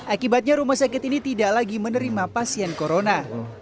akibatnya rumah sakit ini tidak lagi menerima pasien corona